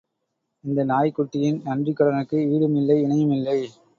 இந்த நாய்க்குட்டியின் நன்றிக் கடனுக்கு ஈடும் இல்லை இணையும் இல்லை.